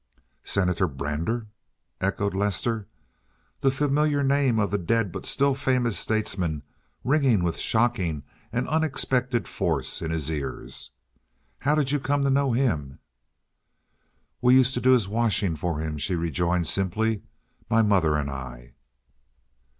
"Senator Brander!" echoed Lester, the familiar name of the dead but still famous statesman ringing with shocking and unexpected force in his ears. "How did you come to know him?" "We used to do his washing for him," she rejoined simply—"my mother and I."